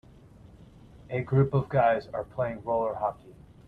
A group of guys are playing roller hockey.